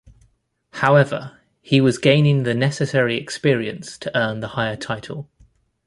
However, he was gaining the necessary experience to earn the higher title.